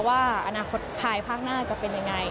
ว่าอนาคตภายภาคหน้าจะเป็นยังไง